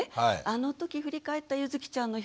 あの時振り返ったゆづきちゃんの表情